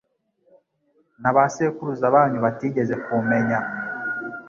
na ba sekuruza banyu batigeze kumenya,